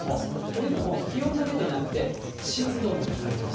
というのも、気温だけでなくて湿度も高い。